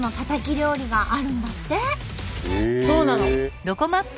そうなの。